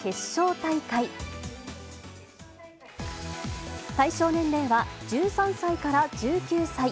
対象年齢は１３歳から１９歳。